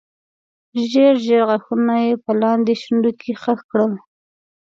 ژېړ ژېړ غاښونه یې په لاندې شونډه کې خښ کړل.